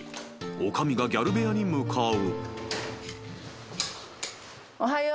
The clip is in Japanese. ［女将がギャル部屋に向かう］